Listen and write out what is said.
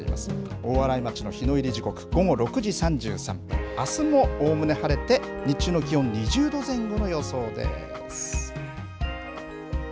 大洗町の日の入り時刻、午後６時３３分、あすもおおむね晴れて、日中の気温２０度前後の予想です。